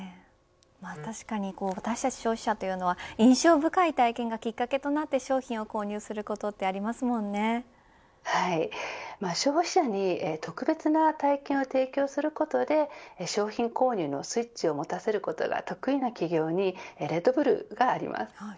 確かに私たち消費者というのは印象深い体験がきっかけとなって商品を消費者に特別な体験を提供することで商品購入のスイッチを持たせることが得意な企業にレッドブルがあります。